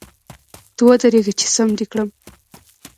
ته ودرېږه چي ! سم دي کړم .